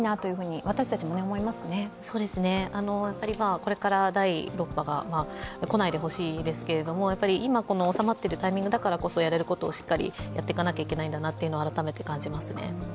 これから第６波が来ないでほしいですけれども、今、収まっているタイミングだからこそやれることをしっかりやらなきゃいけないと、改めて感じますね。